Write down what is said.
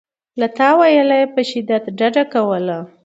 له تأویله یې په شدت ډډه کوله.